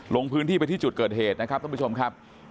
ลงพื้นที่ไปที่จุดเกิดเหตุนะครับท่านผู้ชมครับ